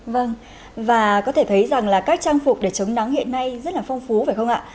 vâng và có thể thấy rằng là các trang phục để chống nắng hiện nay rất là phong phú phải không ạ